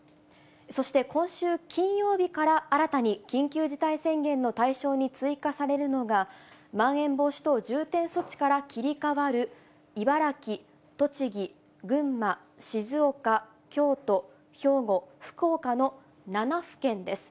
そして今週金曜日から新たに緊急事態宣言の対象に追加されるのが、まん延防止等重点措置から切り替わる茨城、栃木、群馬、静岡、京都、兵庫、福岡の７府県です。